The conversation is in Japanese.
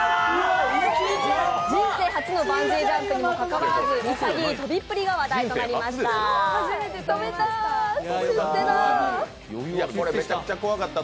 人生初のバンジージャンプにもかかわらず潔い飛びっぷりが話題となりました。